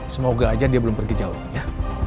semoga aja dia belum pergi jauh ya